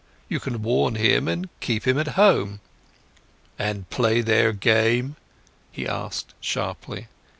"You can warn him and keep him at home." "And play their game?" he asked sharply.